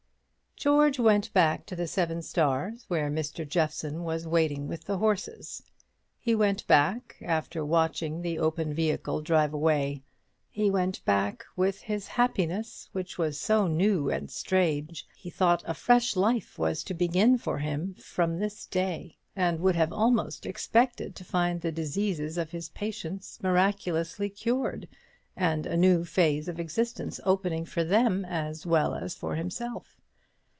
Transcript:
George went back to the Seven Stars, where Mr. Jeffson was waiting with the horses. He went back, after watching the open vehicle drive away; he went back with his happiness which was so new and strange, he thought a fresh life was to begin for him from this day, and would have almost expected to find the diseases of his patients miraculously cured, and a new phase of existence opening for them as well as for himself.